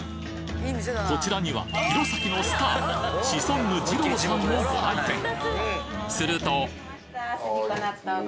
こちらには弘前のスターシソンヌじろうさんもご来店するとお待たせしました。